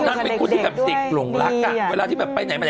ไม่นั่นเป็นพุทธที่แบบสิ่งหลงรักอ่ะเวลาที่แบบไปไหนไปไหน